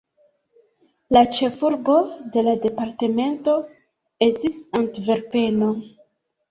La ĉefurbo de la departemento estis Antverpeno.